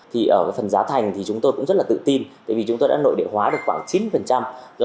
thì ở phần giá thành thì chúng tôi cũng rất là tự tin tại vì chúng tôi đã nội địa hóa được khoảng chín